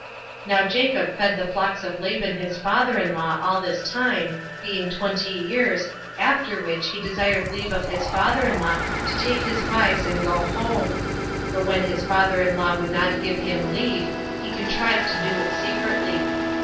9. Now Jacob fed the flocks of Laban his father in law all this time, being twenty years, after which he desired leave of his father in law to take his wives and go home; but when his father in law would not give him leave, he contrived to do it secretly.